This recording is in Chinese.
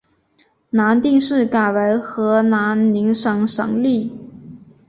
南定市改为河南宁省省莅。